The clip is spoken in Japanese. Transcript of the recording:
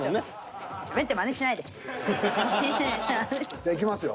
じゃあいきますよ。